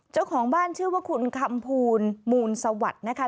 เจ้าของบ้านชื่อว่าคุณคำภูลมูลสวัสดิ์นะคะ